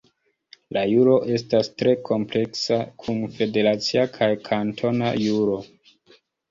La juro estas tre kompleksa kun federacia kaj kantona juro.